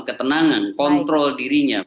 ketenangan kontrol dirinya